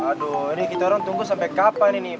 aduh ini kita orang tunggu sampai kapan ini